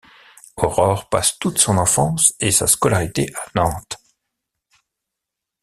Aurore passe toute son enfance et sa scolarité à Nantes.